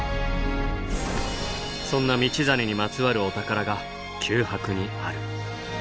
そんな道真にまつわるお宝が九博にある。